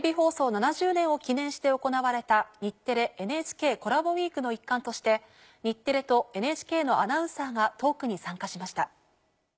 ７０年を記念して行われた「日テレ×ＮＨＫコラボウィーク」の一環として日テレとＮＨＫのアナウンサーがトークに参加しました。